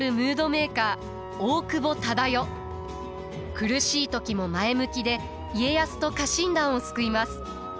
苦しい時も前向きで家康と家臣団を救います。